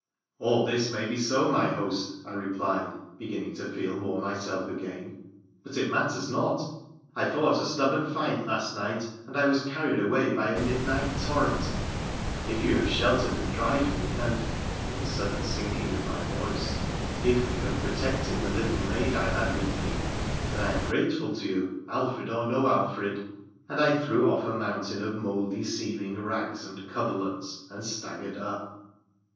' All this may be so, my host,' I replied, beginning to feel more myself again ;' but it matters not. I fought a stubborn fight last night, and I was carried away by a midnight torrent. If you have sheltered and dried me, and '— with a sudden sinking of my voice —' if you have protected the little maid I had with me, then I am grateful to you, Alfred or no Alfred,' and I threw off a mountain of mouldy seeming rags and coverlets, and staggered up.